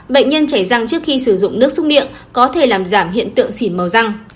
bệnh nhân chảy răng trước khi sử dụng nước xúc miệng có thể làm giảm hiện tượng xỉn màu răng